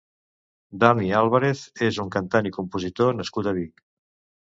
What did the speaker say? Dami Àlvarez és un cantant i compositor nascut a Vic.